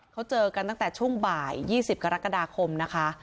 เขาเจอกันตั้งแต่ช่วงบ่าย๒๐กรกฎาคมนะคะ